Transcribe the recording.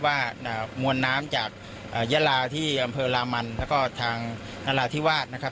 ว่ามวลน้ำจากยาลาที่อำเภอลามันแล้วก็ทางนราธิวาสนะครับ